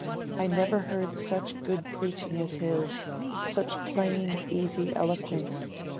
I never heard such good preaching as his—such plain, easy eloquence.